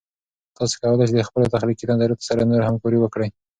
تاسې کولای سئ د خپلو تخلیقي نظریاتو سره نور همکارۍ وکړئ.